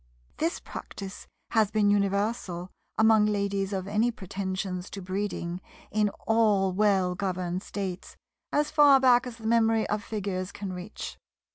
This practice has been universal among ladies of any pretensions to breeding in all well governed States, as far back as the memory of Figures can reach.